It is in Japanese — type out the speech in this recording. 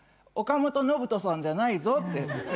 岡本信人さんじゃないぞって。